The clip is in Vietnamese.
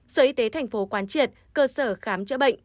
sở y tế tp hcm quan triệt cơ sở khám chữa bệnh